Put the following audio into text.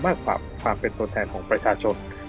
มากกว่าความเป็นตัวแทนของประชาชน